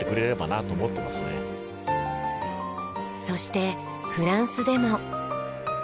そしてフランスでも。